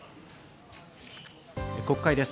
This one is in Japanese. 国会です。